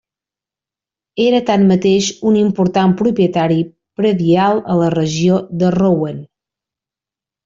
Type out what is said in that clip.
Era tanmateix un important propietari predial a la regió de Rouen.